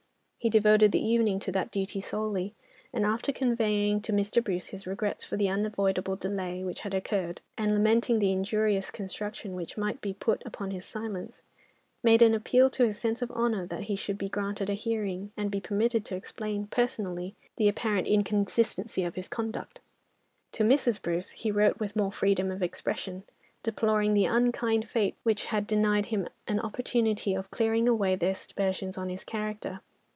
He devoted the evening to that duty solely, and after conveying to Mr. Bruce his regrets for the unavoidable delay which had occurred, and lamenting the injurious construction which might be put upon his silence, made an appeal to his sense of honour that he should be granted a hearing, and be permitted to explain personally the apparent inconsistency of his conduct. To Mrs. Bruce he wrote with more freedom of expression, deploring the unkind fate which had denied him an opportunity of clearing away the aspersions on his character.